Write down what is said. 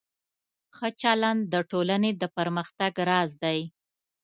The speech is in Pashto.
ښه چلند د ټولنې د پرمختګ راز دی.